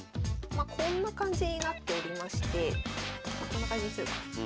こんな感じになっておりましてこんな感じにすれば。